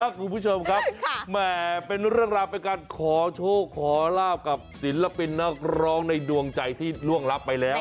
คุณผู้ชมครับแหมเป็นเรื่องราวเป็นการขอโชคขอลาบกับศิลปินนักร้องในดวงใจที่ล่วงรับไปแล้ว